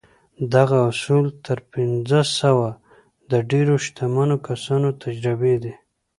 دغه اصول تر پينځه سوه د ډېرو شتمنو کسانو تجربې دي.